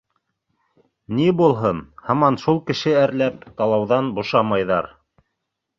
— Ни булһын, һаман шул кеше әрләп, талауҙан бушамайҙар.